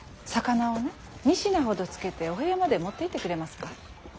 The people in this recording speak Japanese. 肴をね３品ほどつけてお部屋まで持っていってくれますか。